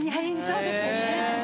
そうですよね。